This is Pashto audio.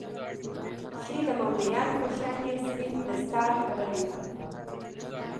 چې د مولويانو په شان يې سپين دستار تړلى و.